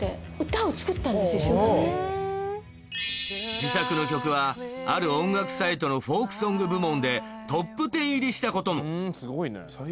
自作の曲はある音楽サイトのフォークソング部門でトップ１０入りしたことも